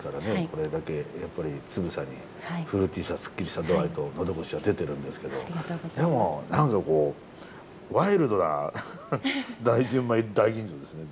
これだけやっぱりつぶさにフルーティーさすっきりさ度合いと喉越しは出てるんですけどでも何かこうワイルドな純米大吟醸ですね